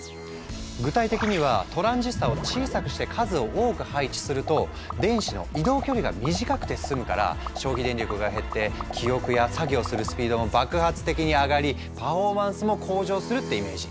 具体的にはトランジスタを小さくして数を多く配置すると電子の移動距離が短くて済むから消費電力が減って記憶や作業をするスピードも爆発的に上がりパフォーマンスも向上するってイメージ。